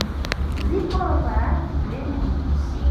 Vi povas plendi!